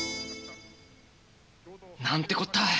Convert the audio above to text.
なんてこったい！